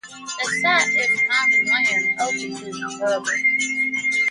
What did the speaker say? The site is common land open to the public.